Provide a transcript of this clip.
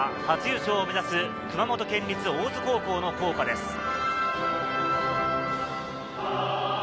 初優勝を目指す熊本県立大津高校の校歌です。